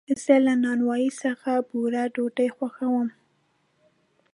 زه له نانوایي څخه بوره ډوډۍ خوښوم.